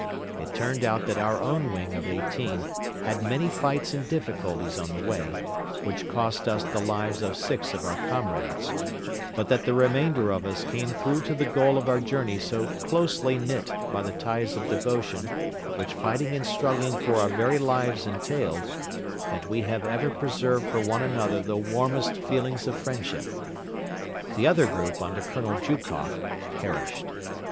It turned out that our own wing of eighteen had many fights and difficulties on the way, which cost us the lives of six of our comrades, but that the remainder of us came through to the goal of our journey so closely knit by the ties of devotion which fighting and struggling for our very lives entailed that we have ever preserved for one another the warmest feelings of friendship. The other group under Colonel Jukoff perished.